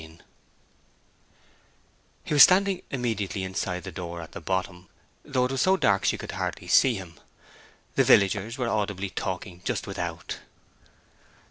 XIII He was standing immediately inside the door at the bottom, though it was so dark she could hardly see him. The villagers were audibly talking just without.